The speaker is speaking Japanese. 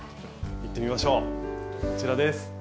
行ってみましょうこちらです。